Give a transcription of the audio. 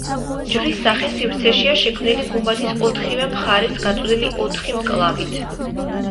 ჯვრის სახე სივრცეშია შექმნილი გუმბათის ოთხივე მხარეს გაწვდილი ოთხი მკლავით.